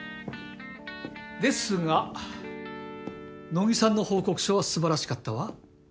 ですが野木さんの報告書は素晴らしかったわ。